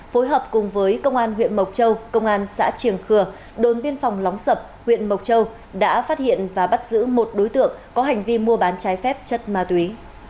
phối hợp cùng với công an huyện mộc châu công an xã triềng khừa đồn biên phòng lóng sập huyện mộc châu đã phát hiện và bắt giữ một đối tượng có hành vi mua bán trái phép chất ma túy